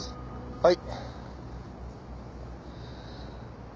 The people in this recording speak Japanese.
はい。